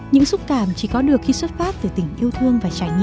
những xúc cảm chỉ có được khi xuất phát từ tình yêu thương và trải nghiệm